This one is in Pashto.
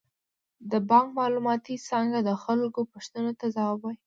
د بانک معلوماتي څانګه د خلکو پوښتنو ته ځواب وايي.